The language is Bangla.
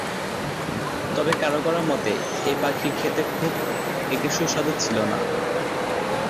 তবে কারও কারও মতে এ পাখি খেতে খুব একটা সুস্বাদু ছিল না।